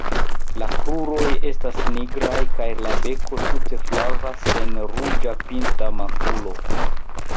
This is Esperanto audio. La kruroj estas nigraj kaj la beko tute flava sen ruĝa pinta makulo.